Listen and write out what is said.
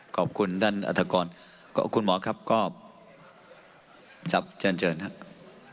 ขอบคุณด้านอรรถกรขอบคุณหมอครับก็จับเจอร์เจอร์นะครับ